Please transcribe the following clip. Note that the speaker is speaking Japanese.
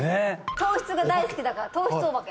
糖質が大好きだから糖質お化け